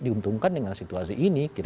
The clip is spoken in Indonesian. diuntungkan dengan situasi ini